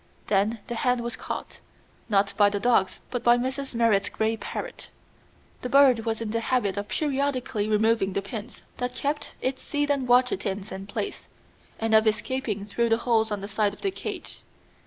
Then the hand was caught, not by the dogs, but by Mrs. Merrit's gray parrot. The bird was in the habit of periodically removing the pins that kept its seed and water tins in place, and of escaping through the holes in the side of the cage.